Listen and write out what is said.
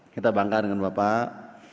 kita bangga dengan bapak